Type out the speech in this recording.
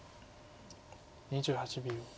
２８秒。